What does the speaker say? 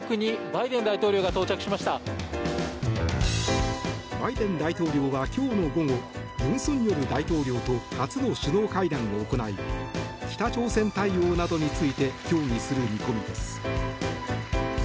バイデン大統領は今日の午後尹錫悦大統領と初の首脳会談を行い北朝鮮対応などについて協議する見込みです。